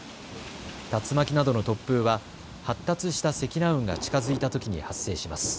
竜巻などの突風は発達した積乱雲が近づいたときに発生します。